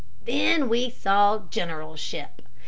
Then we saw generalship.